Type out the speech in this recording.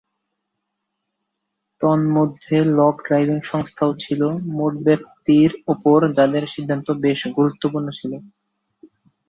তন্মধ্যে log driving সংস্থাও ছিল, মোট ব্যাপ্তির ওপর যাদের সিদ্ধান্ত বেশ গুরুত্বপূর্ণ ছিল।